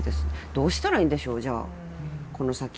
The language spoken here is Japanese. どうしたらいいんでしょうじゃあこの先。